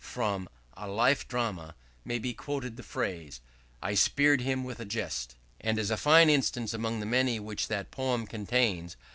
From 'A Life Drama' may be quoted the phrase "I spear'd him with a jest," as a fine instance among the many which that poem contains.